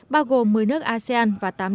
bao gồm một mươi nước thành viên